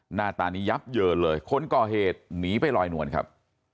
หน้าตานี้ยับเยินเลยคนก่อเหตุหนีไปลอยนวลครับ